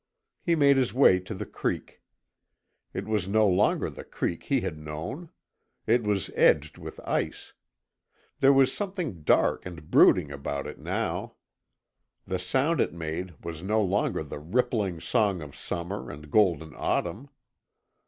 He made his way to the creek. It was no longer the creek he had known. It was edged with ice. There was something dark and brooding about it now. The sound it made was no longer the rippling song of summer and golden autumn.